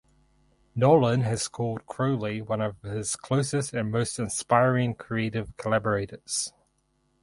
Nolan has called Crowley one of his closest and most inspiring creative collaborators.